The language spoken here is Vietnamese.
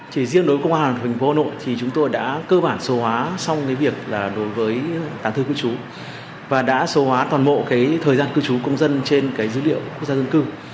chỉ riêng đối với công an thành phố hà nội thì chúng tôi đã cơ bản số hóa xong việc đối với tán thư cư trú và đã số hóa toàn bộ thời gian cư trú công dân trên dữ liệu quốc gia dân cư